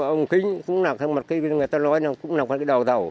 ông kính cũng là một cái người ta nói là cũng là một cái đầu đầu